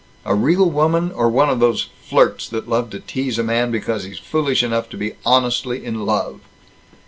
A real woman, or one of these flirts, that love to tease a man because he's foolish enough to be honestly in love?"